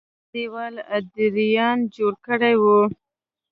دا دېوال ادریان جوړ کړی و